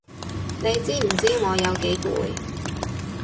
你知唔知我有幾攰？